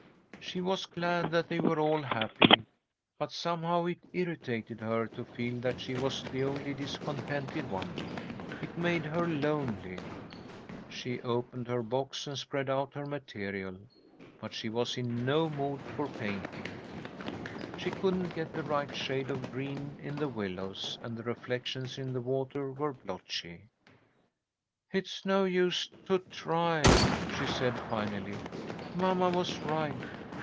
She was glad that they were all happy, but somehow it irritated her to feel that she was the only discontented one. It made her lonely. She opened her box and spread out her material, but she was in no mood for painting. She couldn't get the right shade of green in the willows, and the reflections in the water were blotchy. "It's no use to try," she said, finally. "Mamma was right.